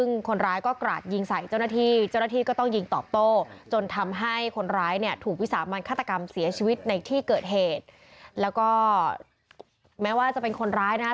ในที่เกิดเหตุแล้วก็แม้ว่าจะเป็นคนร้ายนะ